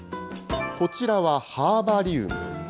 こちらはハーバリウム。